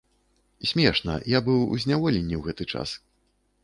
Смешна, я быў у зняволенні ў гэты час!